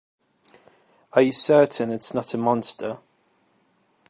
Are you certain it's not a monster?